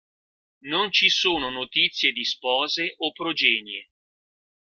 Non ci sono notizie di spose o progenie.